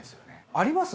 あります？